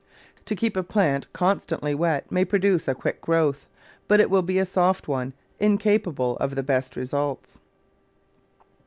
To keep a plant constantly wet may produce a quick growth, but it will be a soft one, incapable of the best re sults.